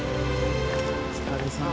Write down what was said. お疲れさまです。